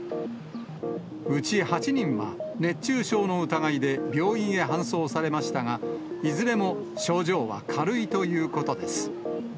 うち８人は、熱中症の疑いで病院へ搬送されましたが、いずれも症状は軽いということです。